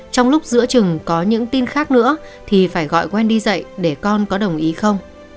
trong lúc giữa trừng có những tin khác nữa thì phải gọi quen đi dạy để con có đồng ý không